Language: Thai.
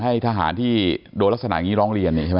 ให้ทหารที่โดนลักษณะอย่างนี้ร้องเรียน